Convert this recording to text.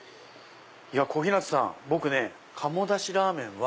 小日向さん僕鴨だしらぁ麺は。